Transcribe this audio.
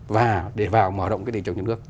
và để vào mở động cái thị trường trong nước